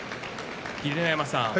秀ノ山さん